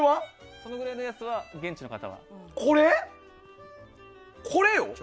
そのぐらいのやつは現地の方は。